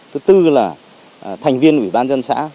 thứ tư là thành viên ủy ban dân xã